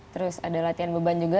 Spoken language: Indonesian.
terus ada latihan beban juga